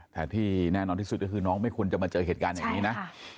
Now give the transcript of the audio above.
แต่ที่แน่นอนที่สุดก็คือน้องไม่ควรจะมาเจอเหตุการณ์อย่างนี้นะ